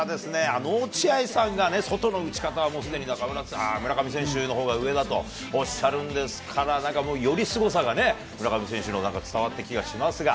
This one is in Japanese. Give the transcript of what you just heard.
あの落合さんがね、外の打ち方はもうすでに村上選手のほうが上だとおっしゃるんですから、なんか、よりすごさが、村上選手の、なんか伝わった気がしますが。